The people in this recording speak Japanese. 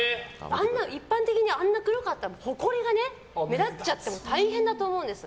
一般的にあんなに黒かったらほこりが目立っちゃって大変だと思うんです。